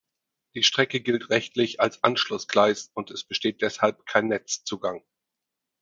Die Strecke gilt rechtlich als Anschlussgleis und es besteht deshalb kein Netzzugang.